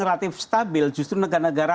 relatif stabil justru negara negara